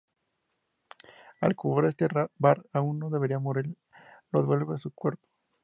Al comprobar este que Bart aún no debería morir, lo devuelve a su cuerpo.